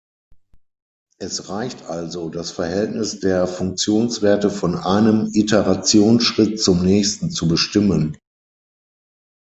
Es reicht also, das Verhältnis der Funktionswerte von einem Iterationsschritt zum nächsten zu bestimmen.